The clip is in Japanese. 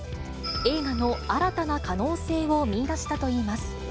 映画の新たな可能性を見いだしたといいます。